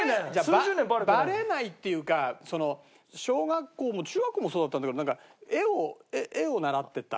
バレないっていうかその小学校も中学校もそうだったんだけどなんか絵を絵を習ってたのね。